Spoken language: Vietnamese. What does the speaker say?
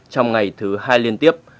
trong ngày thứ hai liên tiếp